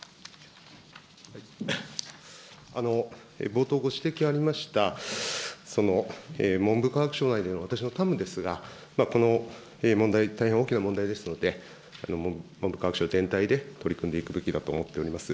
冒頭、ご指摘ありました、文部科学省内での、私のたむですが、この問題、大変大きな問題ですので、文部科学省全体で取り組んでいくべきだと思っております。